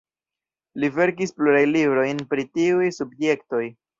Li verkis pluraj librojn pri tiuj subjektoj.